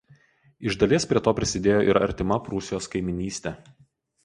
Iš dalies prie to prisidėjo ir artima Prūsijos kaimynystė.